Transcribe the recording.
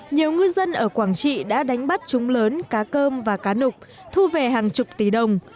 nhiều ngư dân ở quảng trị đã đánh bắt chúng lớn cá cơm và cá nục thu về hàng chục tỷ đồng